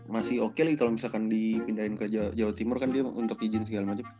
masih oke lah kalau misalkan dipindahin ke jawa timur kan dia untuk izin segala macam